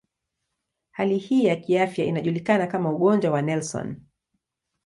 Hali hii ya kiafya inajulikana kama ugonjwa wa Nelson.